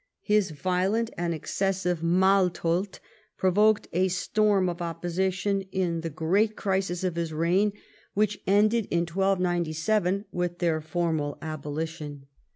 His violent and excessive Maltolfcs provoked a storni of opposition in the great crisis of liis reign which ended 142 EDWARD I chap. in 1297 with their formal abolition.